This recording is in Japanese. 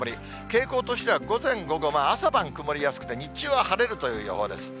傾向としては午前、午後、朝晩曇りやすくて、日中は晴れるという予報です。